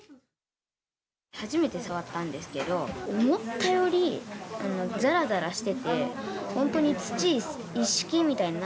初めて触ったんですけど思ったより、ざらざらしてて本当に土一式みたいな。